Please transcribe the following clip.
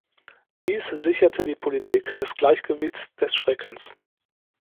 Dies sicherte die Politik des Gleichgewichts des Schreckens.